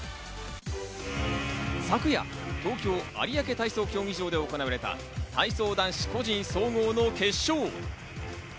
昨夜、東京・有明体操競技場で行われた体操男子・個人総合の決勝。